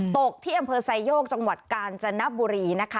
ตกที่อำเภอไซโยกจังหวัดกาญจนบุรีนะคะ